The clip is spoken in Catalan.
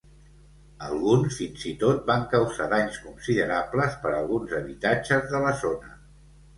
Alguns, fins i tot, van causar danys considerables per alguns habitatges de la zona.